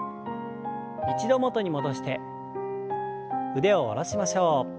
一度元に戻して腕を下ろしましょう。